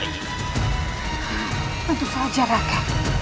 tentu saja raka